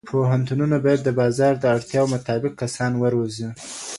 پوهنتونونه باید د بازار د اړتیاوو مطابق کسان وروزي.